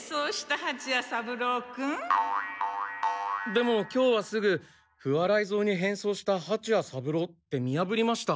でも今日はすぐ不破雷蔵に変装したはちや三郎って見破りました。